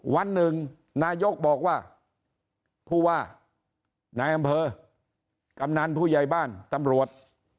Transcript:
วันหนึ่งนายกบอกว่าผู้ว่านายอำเภอกำนันผู้ใหญ่บ้านตำรวจ